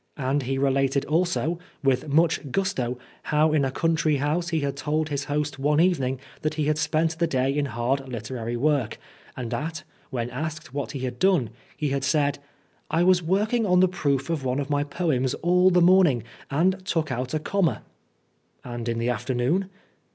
And he related also, with much gusto, how in a country house he had told his host one evening that he had spent the day in hard literary work, and that, when asked what he had done, he had said, " I NV, was working on the proof of one of my poems all the morning and took out a comma." "And in the afternoon?"